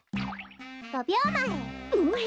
５びょうまえ。